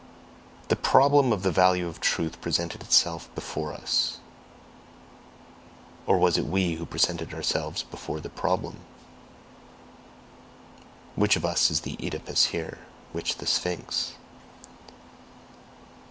The problem of the value of truth presented itself before us or was it we who presented ourselves before the problem? Which of us is the Oedipus here? Which the Sphinx?